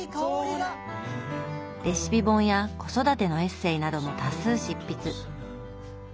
レシピ本や子育てのエッセーなども多数執筆。